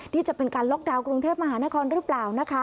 ที่จะเป็นการล็อกดาวน์กรุงเทพมหานครหรือเปล่านะคะ